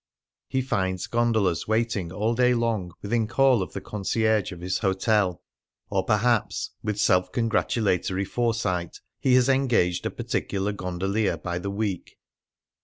He finds gondolas waiting all day long within call of the concierge of his hotel ; or perhaps, with self congratulatory foresight, he has en gaged a particular gondolier by the week.